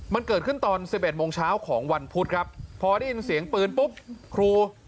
มันเกิดขึ้นตอน๑๑โมงเช้าของวันพุธครับพอได้ยินเสียงปืนปุ๊บครู